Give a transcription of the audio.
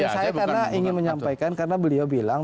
saya karena ingin menyampaikan karena beliau bilang